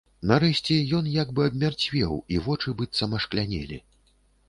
Нарэшце ён як бы абмярцвеў, і вочы быццам ашклянелі.